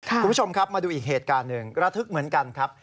คุณผู้ชมครับมาดูอีกเหตุการณ์หนึ่งระทึกเหมือนกันครับ